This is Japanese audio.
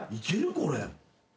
これ。